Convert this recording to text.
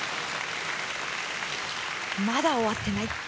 まだ終わってない。